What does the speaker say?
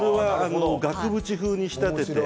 額縁風に仕立てています。